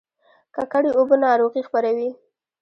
ککړې اوبه ناروغي خپروي